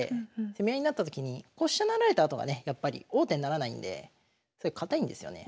攻め合いになったときに飛車成られたあとがねやっぱり王手にならないんで堅いんですよね。